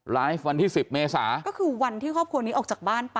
วันที่๑๐เมษาก็คือวันที่ครอบครัวนี้ออกจากบ้านไป